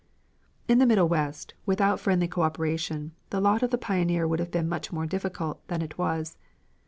In the Middle West, without friendly coöperation, the lot of the pioneer would have been much more difficult than it was.